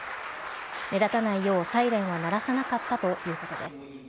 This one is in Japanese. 目立たないようサイレンは鳴らさなかったということです。